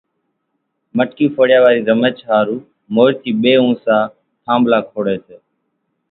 مٽڪي ڦوڙيا واري رمچ ۿارُو مور ٿي ٻي اُونسا ٿانڀلا کوڙي سي،